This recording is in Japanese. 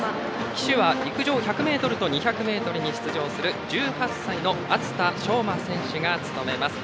旗手は陸上１００ｍと２００ｍに出場する１８歳の熱田笙馬選手が務めます。